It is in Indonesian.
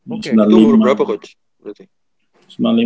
oke itu berapa coach berarti